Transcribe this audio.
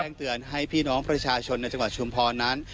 เตือนให้พี่น้องประชาชนในจังหวัดชุมพรนั้น